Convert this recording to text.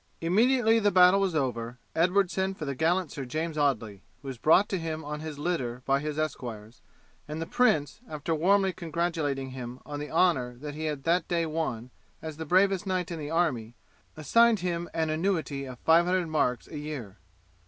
Immediately the battle was over, Edward sent for the gallant Sir James Audley, who was brought to him on his litter by his esquires, and the prince, after warmly congratulating him on the honour that he had that day won as the bravest knight in the army, assigned him an annuity of five hundred marks a year.